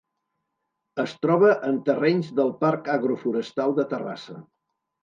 Es troba en terrenys del Parc Agroforestal de Terrassa.